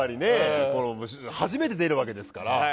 初めて出るわけですから。